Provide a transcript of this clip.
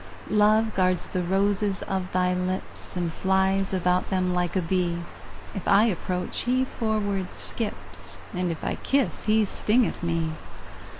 Love guards the roses of thy lips, And flies about them like a bee: If I approach, he forward skips, And if I kiss, he stingeth me.